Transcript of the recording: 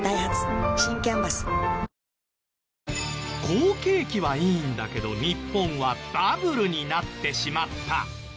好景気はいいんだけど日本はバブルになってしまった。